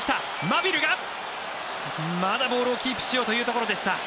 マビルがまだボールをキープしようというところでした。